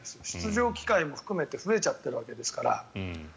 出場機会も含めて増えちゃっているわけですから。